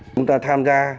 chúng ta tham gia